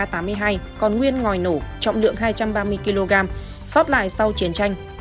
quả bom đã bị nổ trọng lượng hai trăm ba mươi kg xót lại sau chiến tranh